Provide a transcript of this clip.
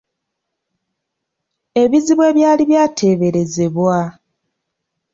Ebizibu ebyali byateeberezebwa.